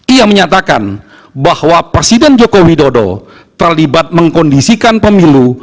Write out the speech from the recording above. ia menyatakan bahwa presiden joko widodo terlibat mengkondisikan pemilu